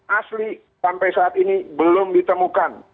asli sampai saat ini belum ditemukan